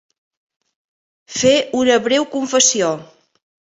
Fer una breu confessió